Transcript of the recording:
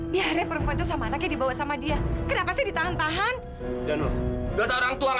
biar perpacu sama anaknya dibawa sama dia kenapa sih ditahan tahan orangtua